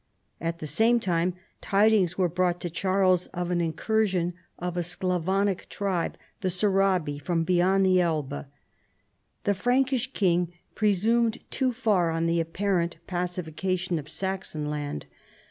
At the same time tidino:s were brousrhtto Charles of an incursion of a Sclavonic tribe, the Sorabi, from beyond the Elbe. The Frankish king presumed too far on the apparent pacification of Saxon land.